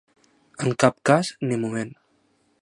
En cap cas ni moment.